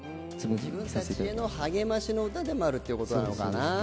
自分たちへの励ましの歌でもあるってことかな。